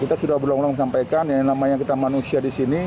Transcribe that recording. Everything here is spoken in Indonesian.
kita sudah berulang ulang sampaikan yang namanya kita manusia di sini